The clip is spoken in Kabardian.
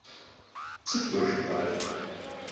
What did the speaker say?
Sıt vue jjıp'ar?